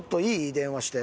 電話して。